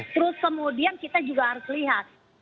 terus kemudian kita juga harus lihat